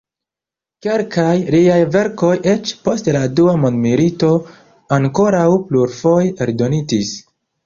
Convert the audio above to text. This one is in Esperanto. Kelkaj liaj verkoj eĉ post la Dua mondmilito ankoraŭ plurfoje eldonitis.